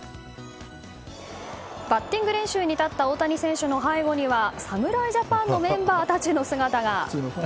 バッティング練習に立った大谷選手の背後には侍ジャパンのメンバーたちの姿が。